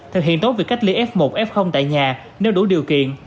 thực hiện tốt việc cách ly f một f tại nhà nếu đủ điều kiện